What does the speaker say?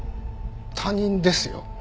他人ですよ。